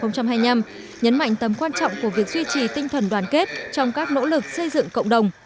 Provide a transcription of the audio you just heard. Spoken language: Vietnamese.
nhấn mạnh tầm quan trọng của việc duy trì tinh thần đoàn kết trong các nỗ lực xây dựng cộng đồng